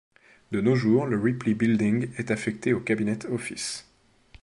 De nos jours, le Ripley Building est affecté au Cabinet Office.